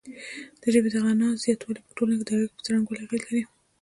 د ژبې د غنا زیاتوالی په ټولنه کې د اړیکو پر څرنګوالي اغیزه لري.